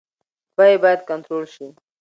بیې باید کنټرول شي.